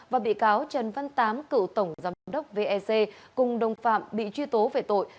và bị cáo trần văn tám cựu tổng giám đốc vec cùng đồng phạm bị truy tố về tội